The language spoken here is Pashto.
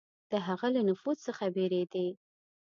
د هغه له نفوذ څخه بېرېدی.